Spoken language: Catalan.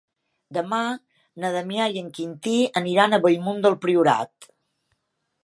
Demà na Damià i en Quintí aniran a Bellmunt del Priorat.